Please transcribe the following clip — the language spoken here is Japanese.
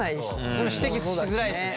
でも指摘しづらいしね。